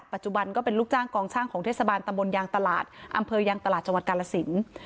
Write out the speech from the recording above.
ปัจจุบันก็เป็นลูกจ้างกองช่างของเทศบาลตำบลยางตลาดอำเภอยางตลาดจังหวัดกาลสิน